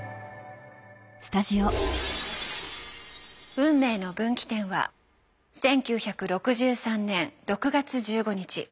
運命の分岐点は１９６３年６月１５日。